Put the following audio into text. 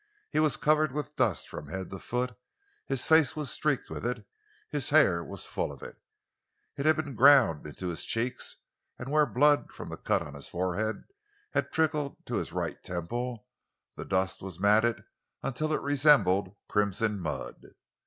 He was covered with dust from head to foot; his face was streaked with it; his hair was full of it; it had been ground into his cheeks, and where blood from a cut on his forehead had trickled to his right temple, the dust was matted until it resembled crimson mud.